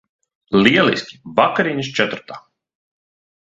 Lieliski. Vakariņas četratā.